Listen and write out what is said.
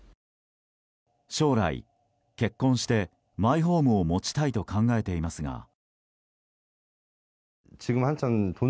将来、結婚してマイホームを持ちたいと考えていますが。